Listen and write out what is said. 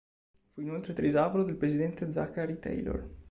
Fu inoltre trisavolo del presidente Zachary Taylor.